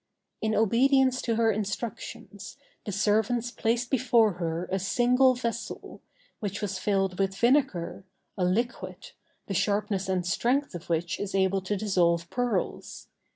In obedience to her instructions, the servants placed before her a single vessel, which was filled with vinegar, a liquid, the sharpness and strength of which is able to dissolve pearls.